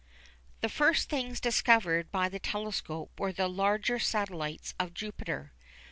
The first things discovered by the telescope were the larger satellites of Jupiter.